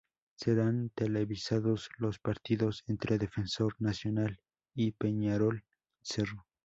Serán televisados los partidos entre Defensor-Nacional y Peñarol-Cerro.